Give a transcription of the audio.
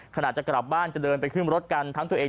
ขนาดจะกลับบ้านจะเดินไปขึ้นรถกัน